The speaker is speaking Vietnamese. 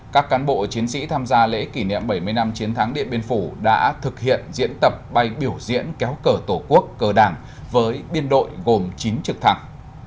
các cán bộ chiến sĩ tham gia lễ kỷ niệm bảy mươi năm chiến thắng điện biên phủ đã thực hiện diễn tập bay biểu diễn kéo cờ tổ quốc cờ đảng với biên đội gồm chín trực thăng